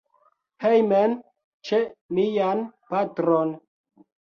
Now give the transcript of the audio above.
Hejmen, ĉe mian patron.